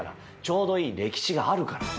ちょうどいい歴史があるから。